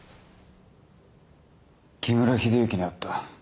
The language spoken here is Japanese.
木村秀幸に会った。